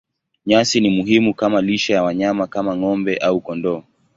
Nyasi ni muhimu kama lishe ya wanyama kama ng'ombe au kondoo.